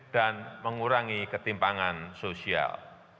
dan mengurangi ketimpangan sosial